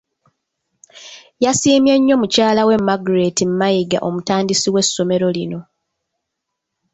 Yasiimye nnyo mukyalawe Margret Mayiga omutandisi w'essomero lino.